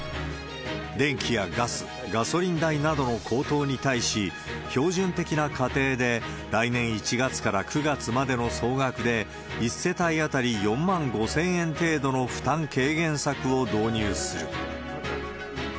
電気やガス、ガソリン代などの高騰に対し、標準的な家庭で、来年１月から９月までの総額で１世帯当たり４万５０００円程度の負担軽減策を導入する。